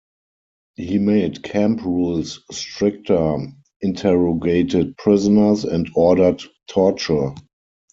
He made camp rules stricter, interrogated prisoners and ordered torture.